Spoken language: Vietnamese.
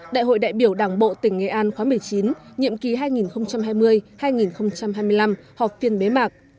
đại hội đại biểu đảng bộ tỉnh nghệ an khóa một mươi chín nhiệm kỳ hai nghìn hai mươi hai nghìn hai mươi năm họp phiên bế mạc